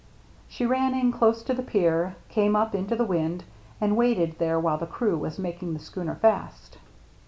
She ran in close to the pier, came up into the wind, and waited there while the crew were making the schooner fast.